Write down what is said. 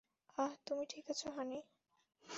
আহ, তুমি ঠিক আছো, হানি?